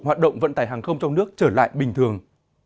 hoạt động vận tải hàng không trong nước trở lại bình thường